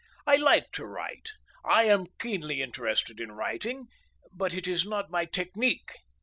I like to write, I am keenly interested in writing, but it is not my technique.